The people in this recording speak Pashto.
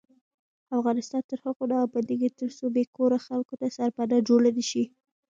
افغانستان تر هغو نه ابادیږي، ترڅو بې کوره خلکو ته سرپناه جوړه نشي.